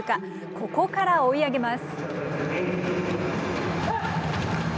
ここから追い上げます。